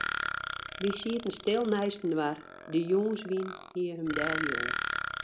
Wy sieten stil neistinoar, de jûnswyn hie him deljûn.